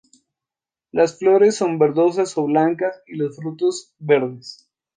Las flores son verdosas o blancas y los frutos verdes.